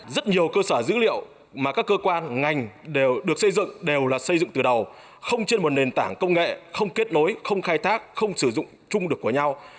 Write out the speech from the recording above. rất nhiều cơ sở dữ liệu mà các cơ quan ngành đều được xây dựng đều là xây dựng từ đầu không trên một nền tảng công nghệ không kết nối không khai thác không sử dụng chung được của nhau